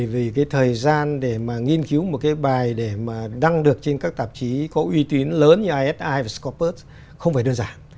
vì cái thời gian để mà nghiên cứu một cái bài để mà đăng được trên các tạp chí có uy tín lớn như isi và scopus không phải đơn giản